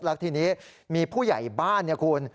แล้วทีนี้มีผู้ใหญ่บ้านเนี่ยคุณ